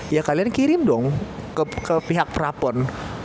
ya kalian kirim dong ke pihak pra pon